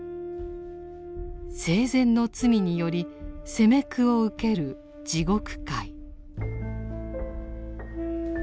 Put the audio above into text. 生前の罪により責め苦を受ける地獄界。